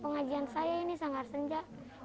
pengajian saya ini sangat senja